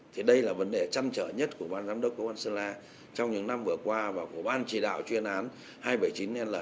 thì đây là vấn đề chăn trở nhất của ban giám đốc công an sơn la trong những năm vừa qua và của ban chỉ đạo chuyên án hai trăm bảy mươi chín